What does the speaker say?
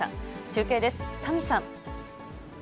中継です、谷さん。